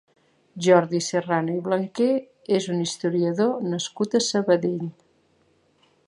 Jordi Serrano i Blanquer és un historiador nascut a Sabadell.